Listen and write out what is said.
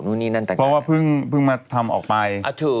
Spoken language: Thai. เพราะว่าเพิ่งมาทำออกไป